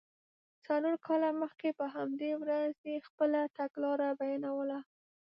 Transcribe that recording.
څلور کاله مخکې په همدې ورځ یې خپله تګلاره بیانوله.